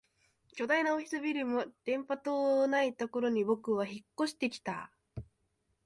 巨大なオフィスビルも電波塔もないところに僕は引っ越してきた